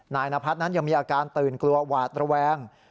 นายนพัฒน์นั้นยังมีอาการตื่นกลัวหวาดระแวง